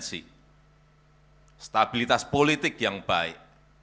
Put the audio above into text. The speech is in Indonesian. konsisten konsisten yang baik